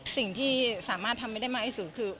สิ่งที่สามารถทำไม่ได้มากที่สุดคือ